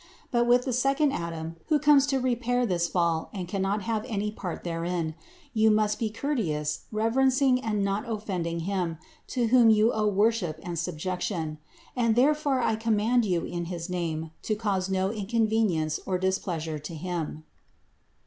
But with the second Adam, who comes to repair this fall and cannot have any part therein, you must be courteous, reverencing and not offending Him, to whom you owe worship and sub jection. And therefore I command you in his name to cause no inconvenience or displeasure to Him."